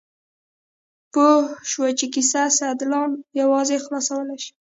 پوه شو چې کیسه سیدلال یوازې خلاصولی شي.